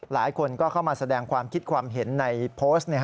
หลายคนก็เข้ามาแสดงความคิดความเห็นในโพสต์